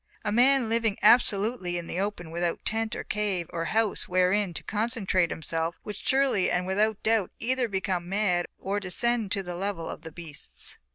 A man living absolutely in the open without tent or cave or house wherein to concentrate himself would surely and without doubt either become mad or descend to the level of the beasts.